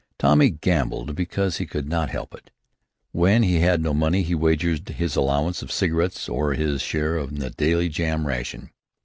Tommy gambled because he could not help it. When he had no money he wagered his allowance of cigarettes or his share of the daily jam ration.